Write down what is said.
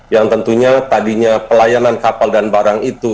yang tentunya tadinya pelayanan kapal dan barang itu